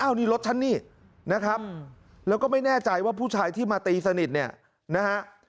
นี่รถฉันนี่นะครับแล้วก็ไม่แน่ใจว่าผู้ชายที่มาตีสนิทเนี่ยนะฮะ